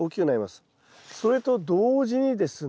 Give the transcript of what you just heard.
それと同時にですね